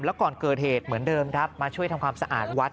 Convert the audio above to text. แล้วก่อนเกิดเหตุเหมือนเดิมครับมาช่วยทำความสะอาดวัด